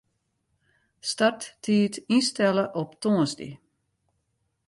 Starttiid ynstelle op tongersdei.